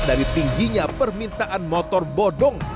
dari tingginya permintaan motor bodong